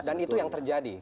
dan itu yang terjadi